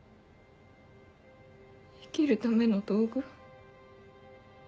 生きるための道具？